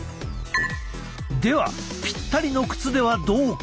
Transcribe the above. ではぴったりの靴ではどうか？